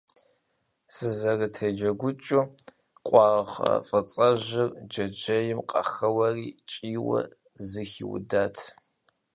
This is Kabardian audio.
Сызэрытеджэгукӏыу, къуаргъ фӏыцӏэжьыр джэджьейм къахэуэри, кӏийуэ зы хиудат.